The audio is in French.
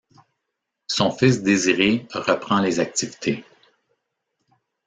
Son fils Désiré reprend les activités.